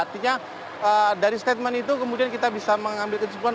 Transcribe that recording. artinya dari statement itu kemudian kita bisa mengambil keputusan